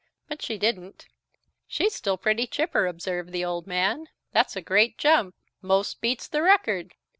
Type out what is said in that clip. But she didn't. "She's still pretty chipper," observed the old man. "That's a great jump. Most beats the record."